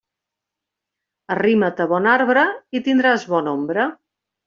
Arrima't a bon arbre i tindràs bona ombra.